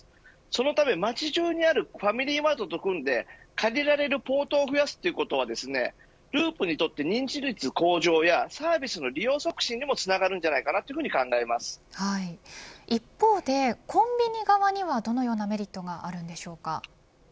そのため街中にあるファミリーマートと組んで借りられるポートを増やすということはＬｕｕｐにとって認知率向上やサービスの利用促進にも一方でコンビニ側にはどのようなメリットがありますか。